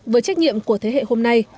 với trách nhiệm của thế hệ hôm nay